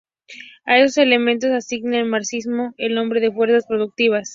A esos elementos asigna el marxismo el nombre de fuerzas productivas.